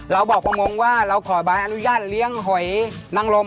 เราบอกประมงว่าเราขอใบอนุญาตเลี้ยงหอยนังลม